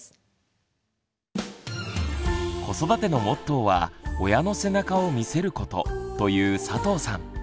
子育てのモットーは「親の背中を見せること」という佐藤さん。